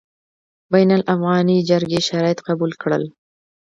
بین الافغاني جرګې شرایط قبول کړل.